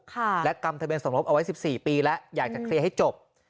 ค่ะและกำทะเบียนสมรบเอาไว้สิบสี่ปีแล้วอยากจะเคลียร์ให้จบ